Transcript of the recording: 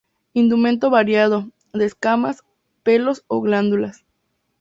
Indumento variado, de escamas, pelos o glándulas.